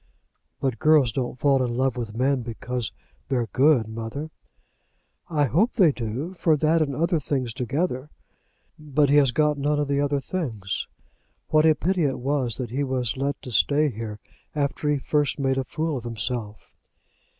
"But girls don't fall in love with men because they're good, mother." "I hope they do, for that and other things together." "But he has got none of the other things. What a pity it was that he was let to stay here after he first made a fool of himself."